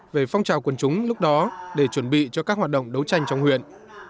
về phong trào quân chúng lúc đó để chuẩn bị cho các hoạt động đấu tranh trong huyện